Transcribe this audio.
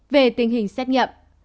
về tình hình xét nhậm